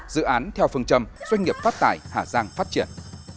dự án theo phương trầm doanh nghiệp phát tài hà giang phát triển